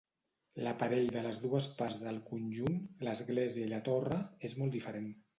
L'aparell de les dues parts del conjunt, l'església i la torre, és molt diferent.